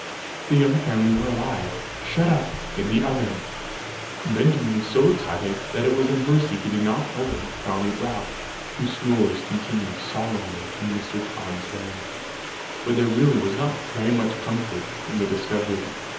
The young family were alive; shut up in the oven! Benjamin was so excited that it was a mercy he did not awake Tommy Brock, whose snores continued solemnly in Mr. Tod's bed. But there really was not very much comfort in the discovery.